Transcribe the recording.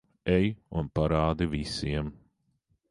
Ej un parādi visiem.